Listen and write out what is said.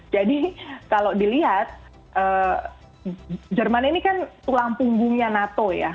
kalau dilihat jerman ini kan tulang punggungnya nato ya